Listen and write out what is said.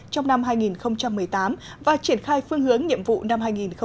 trong năm hai nghìn một mươi tám và triển khai phương hướng nhiệm vụ năm hai nghìn một mươi chín